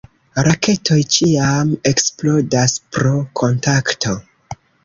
Raketoj ĉiam eksplodas pro kontakto.